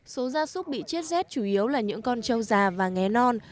số gia súc bị chết rét chủ yếu là những con trâu già và ngé non